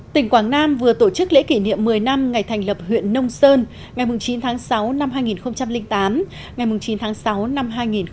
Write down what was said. tỉnh quảng nam vừa tổ chức lễ kỷ niệm một mươi năm ngày thành lập huyện nông sơn ngày chín tháng sáu năm hai nghìn tám ngày chín tháng sáu năm hai nghìn một mươi chín